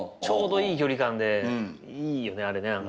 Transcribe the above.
ちょうどいい距離感でいいよねあれね。